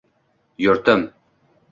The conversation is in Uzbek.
Yurtim